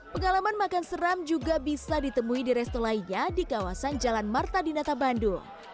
pengalaman makan seram juga bisa ditemui di resto lainnya di kawasan jalan marta dinata bandung